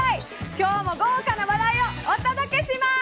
きょうも豪華な話題をお届けします。